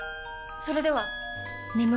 それでは！